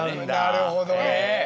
なるほどね。